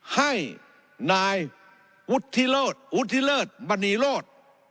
ให้นายอุทธิเลิศบรรณีโลศ